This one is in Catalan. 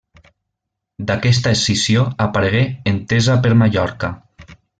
D'aquesta escissió aparegué Entesa per Mallorca.